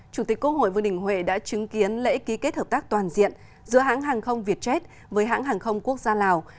chủ tịch quốc hội vương đình huệ đã chứng kiến lễ ký kết hợp tác toàn diện giữa hãng hàng không vietjet với hãng hàng không quốc gia lào